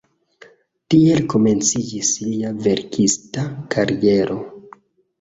Tiel komenciĝis lia verkista kariero.